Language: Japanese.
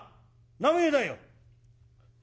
名前だよ」。